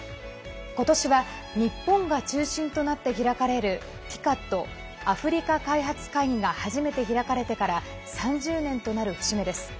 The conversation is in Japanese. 今年は日本が中心となって開かれるＴＩＣＡＤ＝アフリカ開発会議が初めて開かれてから３０年となる節目です。